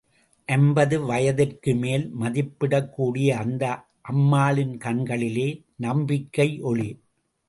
ஐம்பது வயதிற்குமேல் மதிப்பிடக்கூடிய அந்த அம்மாளின் கண்களிலே நம்பிக்கையொளி.